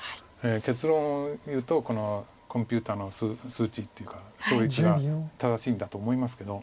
結論を言うとこのコンピューターの数値っていうか勝率が正しいんだと思いますけど。